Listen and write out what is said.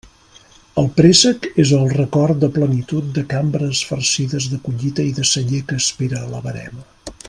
El préssec és el record de plenitud de cambres farcides de collita i de celler que espera la verema.